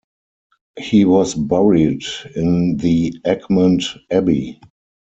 He was buried in the Egmond Abbey.